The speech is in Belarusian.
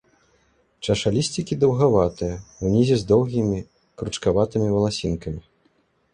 Чашалісцікі даўгаватыя, унізе з доўгімі кручкаватымі валасінкамі.